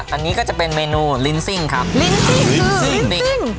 อันนี้ก็จะเป็นเมนูลิ้นซิ่งครับลิ้นซิ่งลิ้นซิ่งซิ่ง